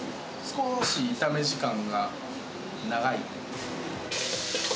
少し炒め時間が長い。